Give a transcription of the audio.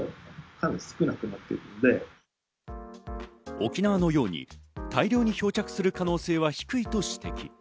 沖縄のように大量に漂着する可能性は低いと指摘。